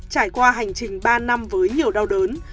trải qua hành trình ba năm với nhiều đau đớn